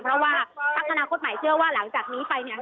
เพราะว่าพักอนาคตใหม่เชื่อว่าหลังจากนี้ไปเนี่ย